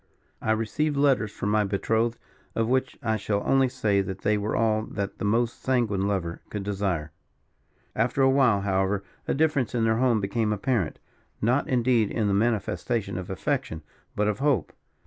I received letters from my betrothed, of which I shall only say that they were all that the most sanguine lover could desire. "After a while, however, a difference in their tone became apparent. Not, indeed, in the manifestation of affection, but of hope.